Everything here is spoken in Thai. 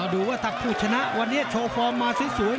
ดูว่าถ้าผู้ชนะวันนี้โชว์ฟอร์มมาสวย